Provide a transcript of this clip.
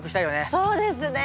そうですね。